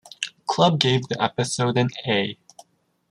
Club gave the episode an A.